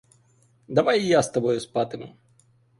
Давай я з тобою спатиму!